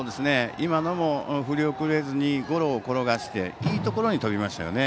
今のも振り遅れずにゴロを転がしていいところに飛びましたよね。